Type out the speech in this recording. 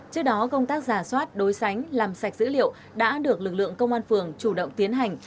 trước đó công tác giả soát đối sánh làm sạch dữ liệu đã được lực lượng công an phường chủ động tiến hành